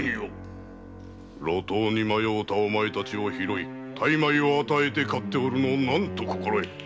路頭に迷うたお前達を拾い大枚を与えて飼っておるのを何と心得る。